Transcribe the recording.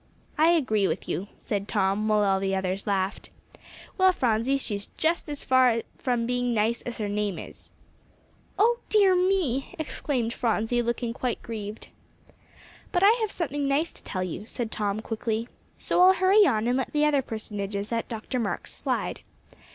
"I agree with you," said Tom, while the others all laughed. "Well, Phronsie, she's just as far from being nice as her name is." "Oh dear me!" exclaimed Phronsie, looking quite grieved. "But I have something nice to tell you," said Tom quickly, "so I'll hurry on, and let the other personages at Dr. Marks' slide.